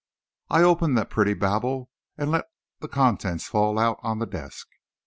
I opened the pretty bauble, and let the contents fall out on the desk.